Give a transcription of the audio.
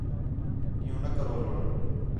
عِیّوں نہ کرو لڑا